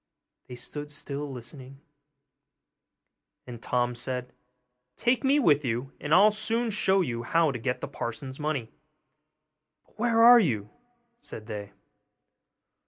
They stood still listening, and Tom said, 'Take me with you, and I'll soon show you how to get the parson's money.' 'But where are you?' said they.